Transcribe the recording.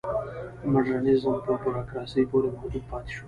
مډرنیزم په بوروکراسۍ پورې محدود پاتې شو.